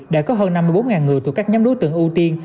đã có hơn năm mươi bốn người thuộc các nhóm đối tượng ưu tiên